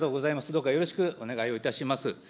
どうかよろしくお願いをいたします。